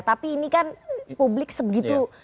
tapi ini kan publik sebegitu